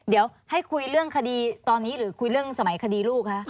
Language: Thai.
เดี๋ยวให้คุยเรื่องคดีตอนนี้หรือคุยเรื่องสมัยคดีลูกคะ